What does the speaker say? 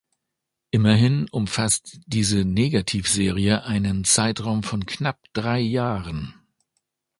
Immerhin umfasst diese Negativserie einen Zeitraum von knapp drei Jahren!